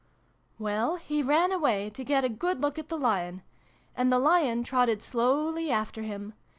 " Well, he ran away, to get a good look at the* Lion. And the Lion trotted slowly after him.